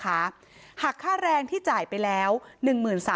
ตำรวจบอกว่าภายในสัปดาห์เนี้ยจะรู้ผลของเครื่องจับเท็จนะคะ